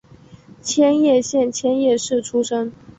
千叶县千叶市出身。